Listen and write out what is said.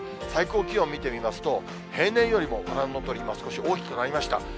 最高気温見てみますと、平年よりも、ご覧のとおり、今、少し大きくなりました。